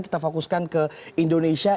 kita fokuskan ke indonesia